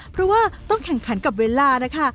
เพราะว่าต้องแข่งขันกับเวลานะคะ